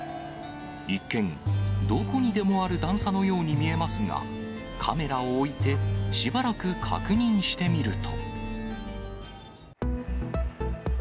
一見、どこにでもある段差のように見えますが、カメラを置いて、しばらく確認してみると。